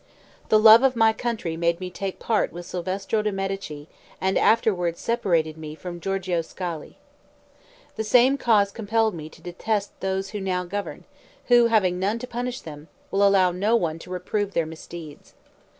The love of my country made me take part with Salvestro de Medici and afterward separated me from Giorgio Scali. The same cause compelled me to detest those who now govern, who having none to punish them, will allow no one to reprove their misdeeds.